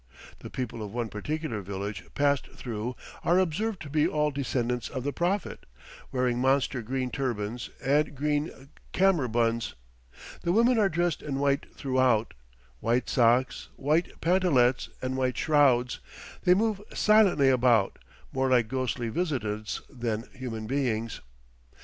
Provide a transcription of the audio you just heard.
The people of one particular village passed through are observed to be all descendants of the Prophet, wearing monster green turbans and green kammerbunds; the women are dressed in white throughout white socks, white pantalettes, and white shrouds; they move silently about, more like ghostly visitants than human beings.